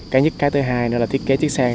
cái thứ hai nữa là thiết kế chiếc xe